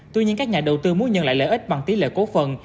tuy nhiên các nhà đầu tư muốn nhận lại lợi ích bằng tỷ lệ cố phần